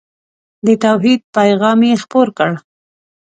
د توحید پیغام یې خپور کړ.